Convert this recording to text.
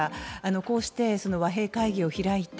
こうして和平会議を開いて